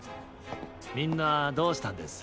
みんなどうしたんです？